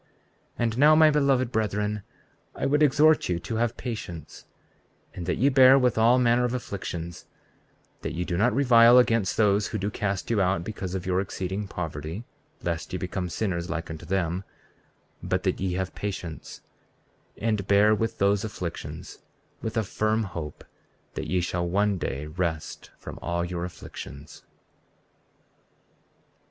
34:40 And now my beloved brethren, I would exhort you to have patience, and that ye bear with all manner of afflictions; that ye do not revile against those who do cast you out because of your exceeding poverty, lest ye become sinners like unto them; 34:41 But that ye have patience, and bear with those afflictions, with a firm hope that ye shall one day rest from all your afflictions.